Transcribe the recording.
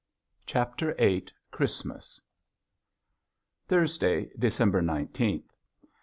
CHAPTER VIII CHRISTMAS Thursday, December nineteenth.